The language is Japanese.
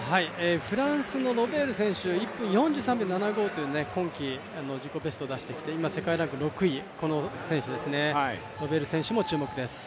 フランスのロベール選手１分４３秒７５という今季、自己ベスト出してきて今、世界ランク６位、ロベール選手も注目です。